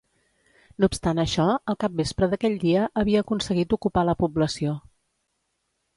No obstant això, al capvespre d'aquell dia havia aconseguit ocupar la població.